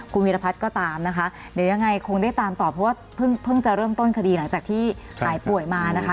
คุณวิรพัฒน์ก็ตามนะคะเดี๋ยวยังไงคงได้ตามต่อเพราะว่าเพิ่งจะเริ่มต้นคดีหลังจากที่หายป่วยมานะคะ